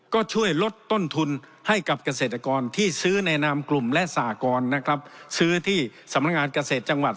ก็ช่วยลดต้นทุนให้กับเกษตรกรที่ซื้อในนามกลุ่มและสากรนะครับซื้อที่สำนักงานเกษตรจังหวัด